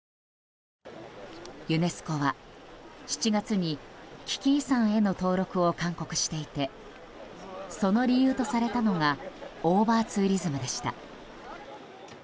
ユネスコは７月に危機遺産への登録を勧告していてその理由とされたのがオーバーツーリズムでした。